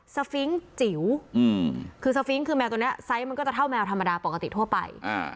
ฟิงค์จิ๋วคือสฟิงค์คือแมวตัวนี้ไซส์มันก็จะเท่าแมวธรรมดาปกติทั่วไป